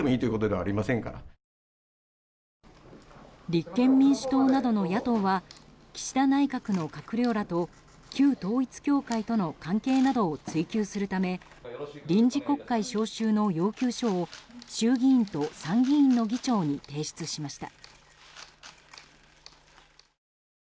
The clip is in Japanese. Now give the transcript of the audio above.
立憲民主党などの野党は岸田内閣の閣僚らと旧統一教会との関係などを追及するため臨時国会召集の要求書を衆議院と参議院の議長に提出しました。